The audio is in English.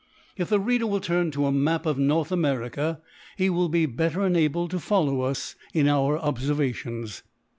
If the reader will turn to a map of North America, he will be better enabled to follow us in our observations.